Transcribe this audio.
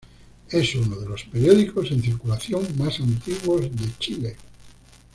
Es uno de los periódicos en circulación más antiguos de Chile.